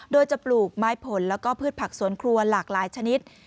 โดยจะปลูกไม้ผลแล้วก็พืชผักสวนครัวหลากหลายชนิด